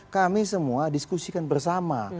kami semua diskusikan bersama